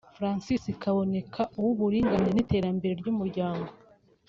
Francis Kaboneka; uw’Uburinganire n’Iterambere ry’Umuryango